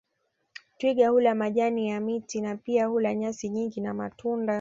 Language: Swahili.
Twiga hula majani ya miti na pia hula nyasi nyingi na matunda